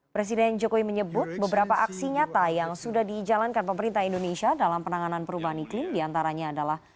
presiden jokowi menyebut beberapa aksi nyata yang sudah dijalankan pemerintah indonesia dalam penanganan perubahan iklim diantaranya adalah